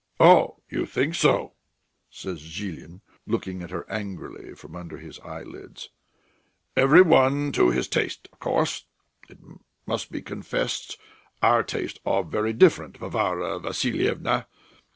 "Oh, you think so?" says Zhilin, looking at her angrily from under his eyelids. "Every one to his taste, of course. It must be confessed our tastes are very different, Varvara Vassilyevna.